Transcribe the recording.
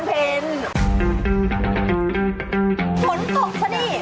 ผลตกพะนี่